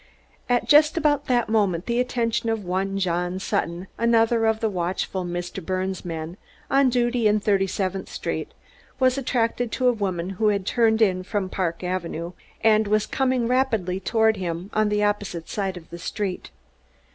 At just about that moment the attention of one John Sutton, another of the watchful Mr. Birnes' men, on duty in Thirty seventh Street, was attracted to a woman who had turned in from Park Avenue, and was coming rapidly toward him, on the opposite side of the street.